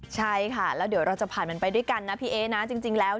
ใช่ค่ะแล้วเดี๋ยวเราจะผ่านมันไปด้วยกันนะพี่เอ๊นะจริงแล้ว